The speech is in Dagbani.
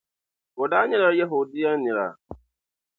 O daa nyɛla Yɛhudia nira.